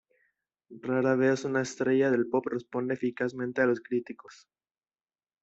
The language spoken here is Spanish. Rara vez una estrella del pop responde eficazmente a los críticos.